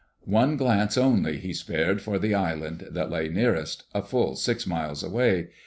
One glance only he spared for the island that lay nearest, a full six miles away.